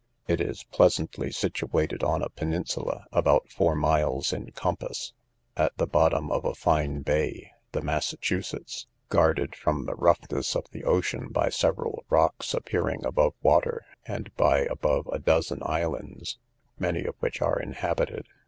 It is pleasantly situated on a peninsula, about four miles in compass, at the bottom of a fine bay, (the Massachusets,) guarded from the roughness of the ocean by several rocks appearing above water, and by above a dozen islands, many of which are inhabited.